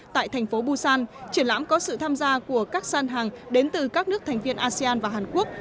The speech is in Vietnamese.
tại thành phố busan triển lãm có sự tham gia của các gian hàng đến từ các nước thành viên asean và hàn quốc